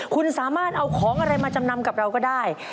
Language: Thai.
คุณสามารถเอาของอะไรมาจำนำกับเราก็ได้